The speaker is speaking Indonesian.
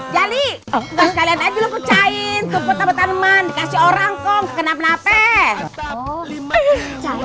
jadi kalian aja lu kecain tuh kota petaneman kasih orang kong kenapa napa